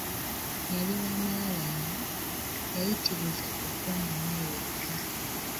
Yali wa malala nnyo, yayitiriza okwemanya yekka.